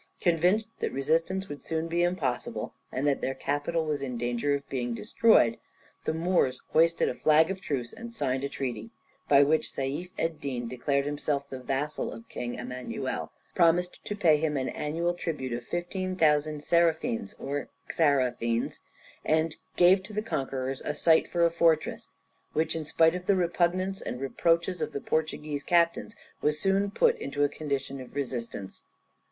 Convinced that resistance would soon be impossible, and that their capital was in danger of being destroyed, the Moors hoisted a flag of truce, and signed a treaty, by which Seif Ed din declared himself the vassal of King Emmanuel, promised to pay him an annual tribute of 15,000 seraphins or xarafins, and gave to the conquerors a site for a fortress, which, in spite of the repugnance and reproaches of the Portuguese captains, was soon put into a condition of resistance.